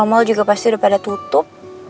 mall mall juga pasti udah pada tutup